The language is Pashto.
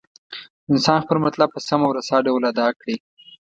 انسان خپل مطلب په سم او رسا ډول ادا کړي.